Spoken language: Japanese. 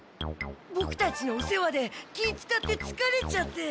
ボクたちのお世話で気つかってつかれちゃって。